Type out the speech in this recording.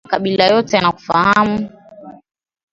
Makabila yote, yanakufahamu